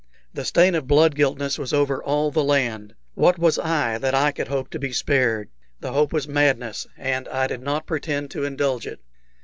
The stain of blood guiltiness was over all the land. What was I, that I could hope to be spared? The hope was madness, and I did not pretend to indulge it.